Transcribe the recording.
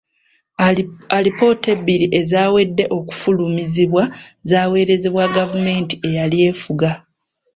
Alipoota ebbiri ezawedde okufulumizibwa zaaweerezebwa gavumenti eyali efuga.